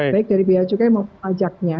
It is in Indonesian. baik dari biaya cukai maupun pajaknya